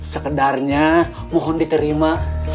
sekedarnya mohon diterima